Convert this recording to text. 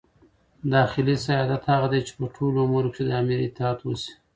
داخلي سیادت هغه دئ، چي په ټولو امورو کښي د امیر اطاعت وسي.